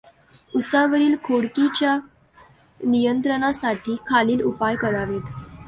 उसावरील खोडकिडीच्या नियंत्रणासाठी खालील उपाय करावेत.